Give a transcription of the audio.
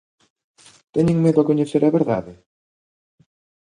Teñen medo a coñecer a verdade?